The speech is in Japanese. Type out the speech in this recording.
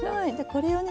これをね